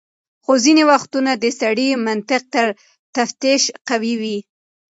خو ځینې وختونه د سړي منطق تر تفتيش قوي وي.